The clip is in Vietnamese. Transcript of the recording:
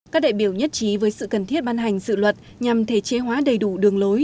các đại biểu nhất trí với sự cần thiết ban hành dự luật nhằm thể chế hóa đầy đủ đường lối